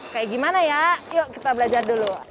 kayak gimana ya yuk kita belajar dulu